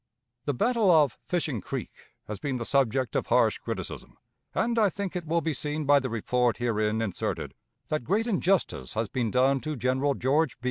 The battle of Fishing Creek has been the subject of harsh criticism, and I think it will be seen by the report herein inserted that great injustice has been done to General George B.